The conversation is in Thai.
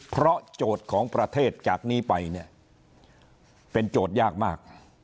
เพราะโจทย์ของประเทศจากนี้ไปเนี่ยเป็นโจทย์ยากมาก